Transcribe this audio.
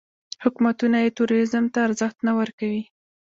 حکومتونه یې ټوریزم ته ارزښت نه ورکوي.